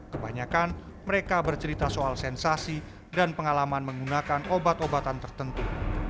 kebanyakan mereka bercerita soal sensasi dan pengalaman menggunakan obat obatan tertentu